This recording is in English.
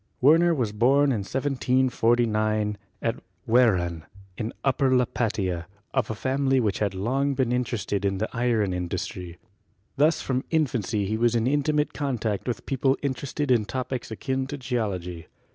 Werner was born in 1749 at Wehran, in Upper Lu patia, of a family which had long been interested in the iron industry. Thus from infancy he was in intimate con tact with people interested in topics akin to Geology.